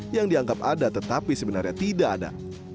yang dianggap ada tetapi sebenarnya tidak ada